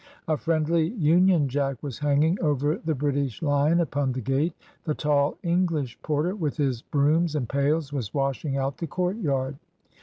A friendly Union Jack was hanging over the British lion upon the gate. The tall English porter, with his brooms and pails, was washing out the courtyard.